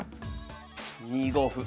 ２五歩。